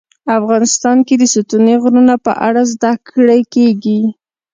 افغانستان کې د ستوني غرونه په اړه زده کړه کېږي.